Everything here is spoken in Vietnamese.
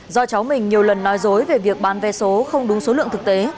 do cháu mình nhiều lần nói dối về việc bán vé số không đúng số lượng thực tế